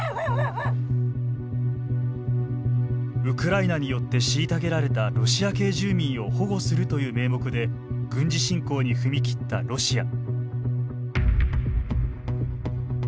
ウクライナによって虐げられたロシア系住民を保護するという名目で軍事侵攻に踏み切ったロシア。